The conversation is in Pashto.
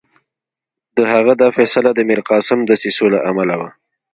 د هغه دا فیصله د میرقاسم دسیسو له امله وه.